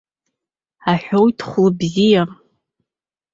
Аҳәоит хәлыбзиа!